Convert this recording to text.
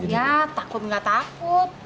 ya takut gak takut